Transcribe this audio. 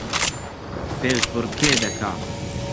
پێشبڕکێ دەکا